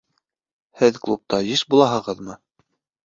Һеҙ клубта йыш булаһығыҙмы?